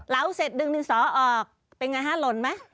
เสร็จดึงดินสอออกเป็นไงฮะหล่นไหม